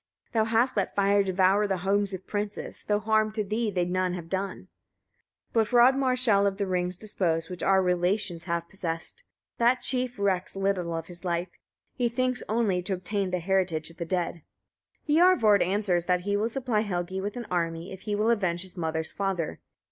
Thou hast let fire devour the homes of princes, though harm to thee they none have done. 11. But Hrodmar shall of the rings dispose, which our relations have possessed. That chief recks little of his life; he thinks only to obtain the heritage of the dead. Hiorvard answers, that he will supply Helgi with an army, if he will avenge his mother's father.